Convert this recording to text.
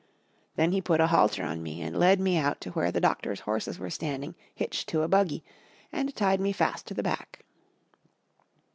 Then he put a halter on me and led me out to where the doctor's horses were standing hitched to a buggy and tied me fast to the back.